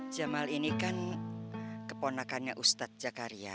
jamal ini kan keponakannya ustadz jakaria